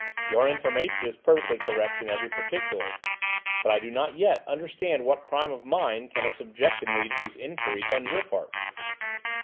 "Your information is perfectly correct in every particular. But I do not yet understand what crime of mine can have subjected me to these enquiries on your part."